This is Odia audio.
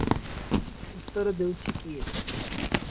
ଉତ୍ତର ଦେଉଛି କିଏ?